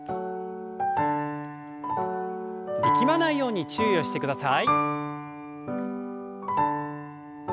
力まないように注意をしてください。